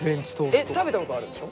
えっ食べたことあるでしょ？